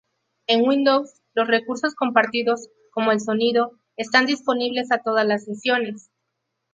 En Windows, los recursos compartidos, como el sonido, están disponibles a todas las sesiones.